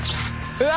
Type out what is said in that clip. うわ。